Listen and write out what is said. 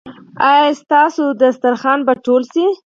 ایا ستاسو دسترخوان به ټول شي؟